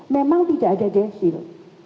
memang tidak ada decil